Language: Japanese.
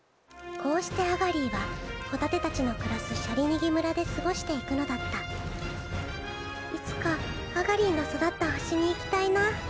こうしてアガリィはホタテたちの暮らすシャリニギ村で過ごしていくのだったいつかアガリィの育った星に行きたいな。